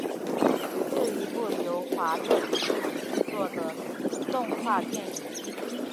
是一部由华特迪士尼制作的动画电影。